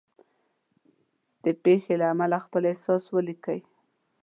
د پېښې له امله خپل احساس ولیکئ.